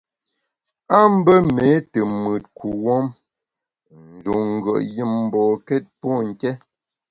A mbe méé te mùt kuwuom, n’ njun ngùet yùm mbokét pô nké.